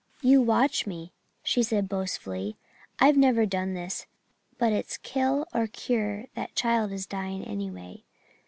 "'You watch me,' she said boastfully. 'I've never done this, but it's kill or cure that child is dying anyway.'